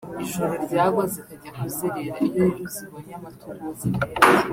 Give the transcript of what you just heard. ijoro ryagwa zikajya kuzerera iyo rero zibonye amatungo zirayarya